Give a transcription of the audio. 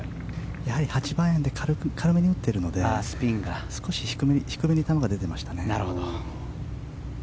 やはり８番アイアンで軽めに打っているので少し低めに球が出ていましたね。